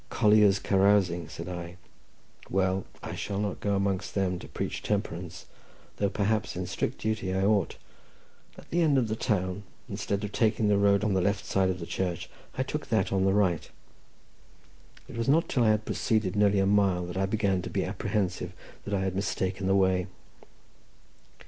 "Colliers carousing," said I. "Well, I shall not go amongst them to preach temperance, though perhaps in strict duty I ought." At the end of the town, instead of taking the road on the left side of the church, I took that on the right. It was not till I had proceeded nearly a mile that I began to be apprehensive that I had mistaken the way.